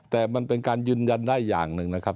แต่มันเป็นการยืนยันได้อย่างหนึ่งนะครับ